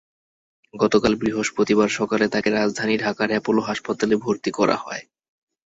গতকাল বৃহস্পতিবার সকালে তাঁকে রাজধানী ঢাকার অ্যাপোলো হাসপাতালে ভর্তি করা হয়।